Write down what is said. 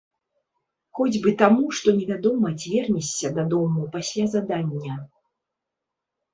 Хоць бы таму, што невядома, ці вернешся дадому пасля задання.